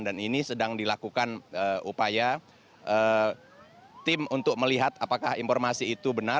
dan ini sedang dilakukan upaya tim untuk melihat apakah informasi itu benar